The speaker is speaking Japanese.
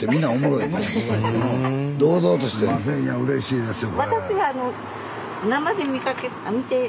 いやうれしいですよ。